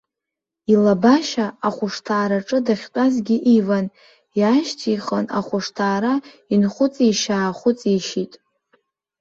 Илабашьа, ахәышҭаараҿы дахьтәазгьы иван, иаашьҭихын, ахәышҭаара инхәыҵишьаа-хәыҵишьит.